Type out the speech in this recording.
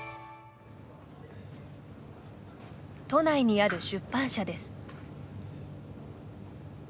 都内にある出版社です。